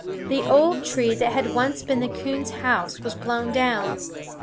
The old tree that had once been the coon's house was blown down.